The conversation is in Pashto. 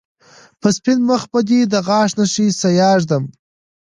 په سپين مخ به دې د غاښ نښې سياه ږدم